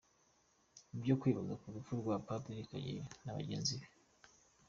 Ibyo kwibazwa ku rupfu rwa padiri Kageyo na bagenzi be.